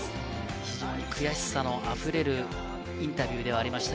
非常に悔しさの溢れるインタビューではありました。